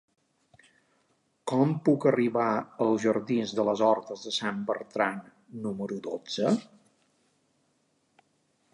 Com puc arribar als jardins de les Hortes de Sant Bertran número dotze?